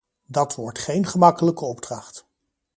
Dat wordt geen gemakkelijke opdracht.